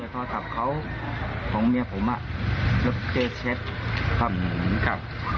พอกลับเขาของเมียผมก็เจ็ดเช็ดตำนี้กัน